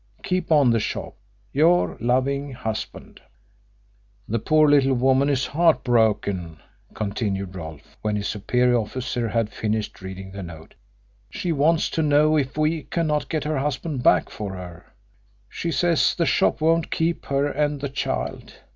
"Keep on the shop. "YOUR LOVING HUSBAND." "The poor little woman is heartbroken," continued Rolfe, when his superior officer had finished reading the note. "She wants to know if we cannot get her husband back for her. She says the shop won't keep her and the child.